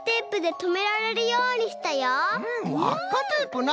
わっかテープな！